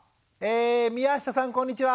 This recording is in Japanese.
宮下さんこんにちは！